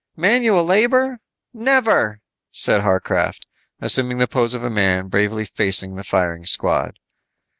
"Manual labor? Never," said Harcraft, assuming the pose of a man bravely facing the firing squad.